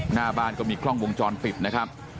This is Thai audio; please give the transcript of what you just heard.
หน้าบ้านก็มีกล้องวงจรปิดนะครับ